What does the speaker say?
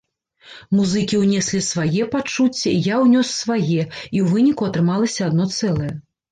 Музыкі ўнеслі свае пачуцці, я ўнёс свае і ў выніку атрымалася адно цэлае.